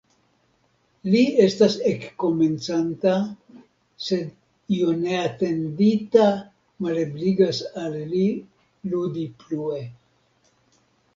Li estas ekkomencanta, sed io neatendita malebligas al li ludi plue.